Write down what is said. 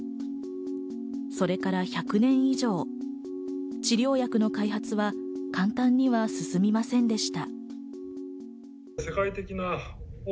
それから１００年以上、治療薬の開発は簡単には進みませんでした。